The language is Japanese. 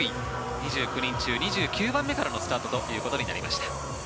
２９人中２９番目からのスタートということになりました。